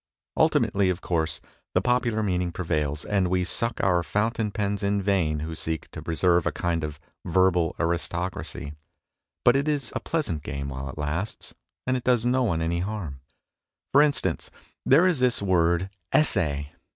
Ultimately, of course, the popular meaning prevails, and we suck our fountain pens in vain who seek to pre serve a kind of verbal aristocracy ; but it is a pleasant game while it lasts, and it does no one any harm. For instance, there is this word " essay."